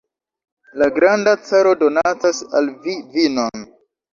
La granda caro donacas al vi vinon!